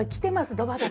ドバドバ。